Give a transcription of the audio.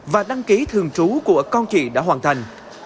và đăng ký thường trú của con chị đã hoàn thành